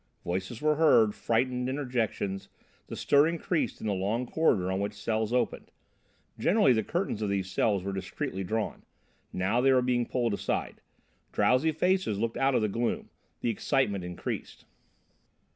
Voices were heard, frightened interjections, the stir increased in the long corridor on which cells opened. Generally the curtains of these cells were discreetly drawn; now they were being pulled aside. Drowsy faces looked out of the gloom; the excitement increased.